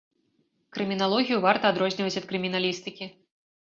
Крыміналогію варта адрозніваць ад крыміналістыкі.